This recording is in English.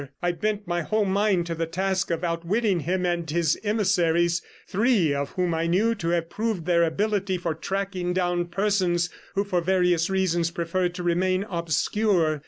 I bent my whole mind to the task of outwitting him and his emissaries, three of whom I knew to have proved their ability for tracking down persons who for various reasons preferred to remain obscure.